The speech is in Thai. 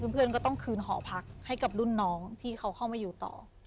เพื่อนก็ต้องคืนหอพักให้กับรุ่นน้องที่เขาเข้ามาอยู่ต่อ